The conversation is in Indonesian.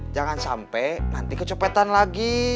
jangan sampai nanti kecopetan lagi